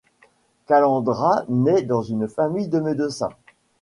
Kalandra naît dans une famille de médecins.